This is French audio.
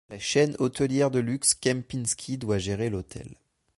La chaîne hôtelière de luxe Kempinski doit gérer l'hôtel.